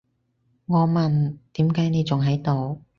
我問，點解你仲喺度？